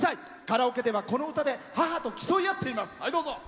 カラオケではこの歌で母と競い合っています。